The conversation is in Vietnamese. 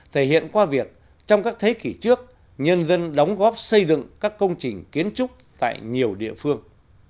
thể hiện qua việc trong các thế kỷ trước nhân dân đóng góp xây dựng các công trình kiến trúc tại nhiều địa phương